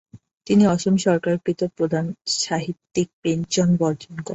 তিনি অসম সরকারকৃত প্রদান সাহিত্যিক পেঞ্চন বর্জন করেন।